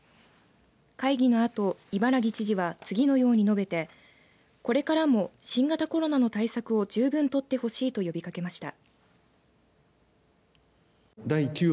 会議のあと伊原木知事は次のように述べてこれからも新型コロナの対策を十分に取ってほしいと呼びかけました。